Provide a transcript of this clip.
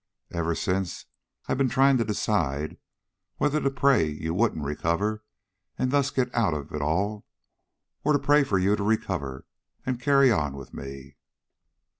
Ever since I've been trying to decide whether to pray you wouldn't recover and thus get out of it all, or to pray for you to recover, and carry on with me."